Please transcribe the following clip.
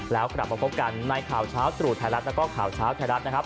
แล้วกลับมาพบกันในข่าวเช้าตรู่ไทยรัฐแล้วก็ข่าวเช้าไทยรัฐนะครับ